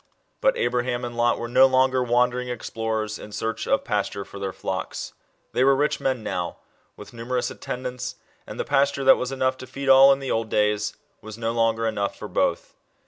But Abraham and Lot were no longer wandering explorers, in search of pasture for their flocks. They were rich men now, with numerous atten dants, and the pasture that was enough to feed all, in the old days, was no longer enough for both.